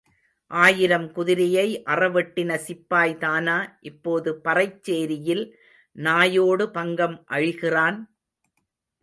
ஆயிரம் குதிரையை அற வெட்டின சிப்பாய்தானா இப்போது பறைச் சேரியில் நாயோடு பங்கம் அழிகிறான்?